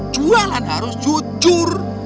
jualan harus jujur